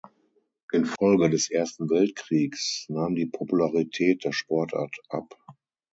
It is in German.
In Folge des Ersten Weltkriegs nahm die Popularität der Sportart ab.